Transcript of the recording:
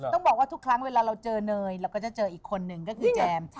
ต้องบอกว่าทุกครั้งเวลาเราเจอเนยเราก็จะเจออีกคนนึงก็คือแจม